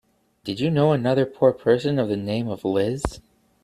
Did you know another poor person of the name of Liz?